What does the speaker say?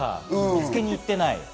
見つけに行ってない？